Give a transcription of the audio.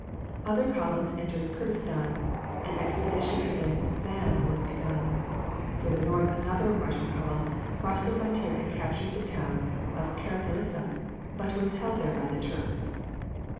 Other columns entered Kurdestan, and an expedition against Van was begun. Further north another Russian column crossed the frontier and captured the town of Karakilissa, but was held there by the Turks.